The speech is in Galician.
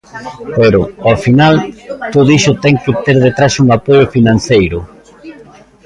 Pero, ao final, todo iso ten que ter detrás un apoio financeiro.